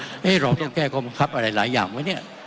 เอ้ยเราต้องแก้จะแบ่งความปังคับอะไรหลายอย่างเหมือนนี้